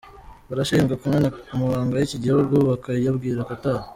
Barashinjwa kumena amabanga y’iki gihugu bakayabwira Qatar.